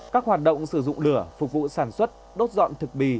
các hoạt động sử dụng lửa phục vụ sản xuất đốt dọn thực bì